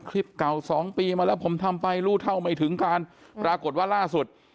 คลิปเก่าสองปีมาแล้วผมทำไปรู้เท่าไม่ถึงการปรากฏว่าล่าสุด